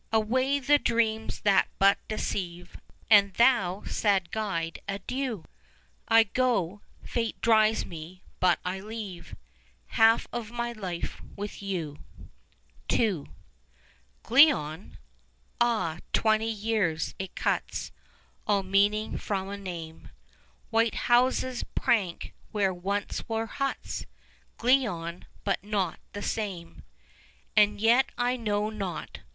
Away the dreams that but deceive! And thou, sad Guide, adieu! 30 I go; Fate drives me: but I leave Half of my life with you. II Glion? Ah, twenty years, it cuts All meaning from a name! White houses prank where once were huts! Glion, but not the same, And yet I know not.